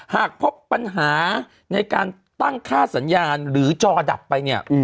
หากพบปัญหาในการตั้งค่าสัญญาณหรือจอดับไปเนี่ย